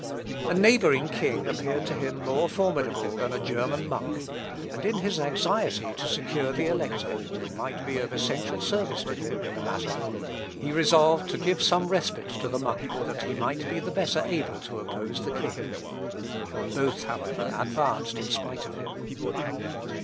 A neighbouring king appeared to him more formidable than a German monk; and in his anxiety to secure the Elector, who might be of essential service to him in the matter, he resolved to give some respite to the monk that he might be the better able to oppose the king. Both, however, advanced in spite of him.